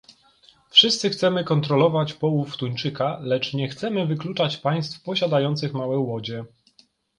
Wszyscy chcemy kontrolować połów tuńczyka, lecz nie chcemy wykluczać państw posiadających małe łodzie